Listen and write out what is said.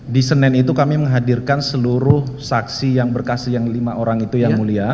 di senin itu kami menghadirkan seluruh saksi yang berkas yang lima orang itu yang mulia